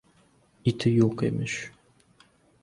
Iti yo‘q emish.